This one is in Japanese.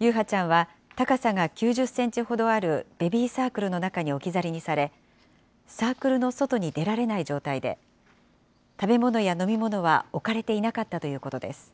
優陽ちゃんは高さが９０センチほどあるベビーサークルの中に置き去りにされ、サークルの外に出られない状態で、食べ物や飲み物は置かれていなかったということです。